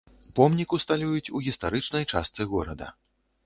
Помнік усталююць у гістарычнай частцы горада.